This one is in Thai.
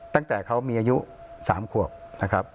ตั้งแต่เขามีอายุ๓ควบ